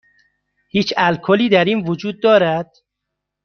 هیچ الکلی در این وجود دارد؟